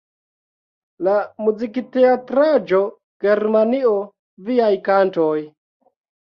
La muzikteatraĵo Germanio, viaj kantoj!